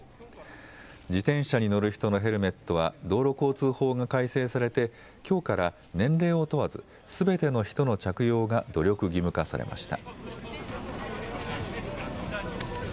自転車に乗る人のヘルメットは道路交通法が改正されてきょうから年齢を問わずすべての人の着用が努力義務化されました。